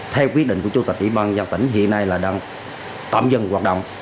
theo quyết định của chủ tịch ủy ban giao tỉnh hiện nay tổng dân hoạt động